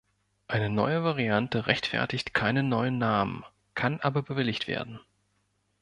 Eine neue Variante rechtfertigt keinen neuen Namen, kann aber bewilligt werden.